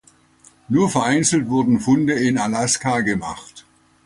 Nur vereinzelt wurden Funde in Alaska gemacht.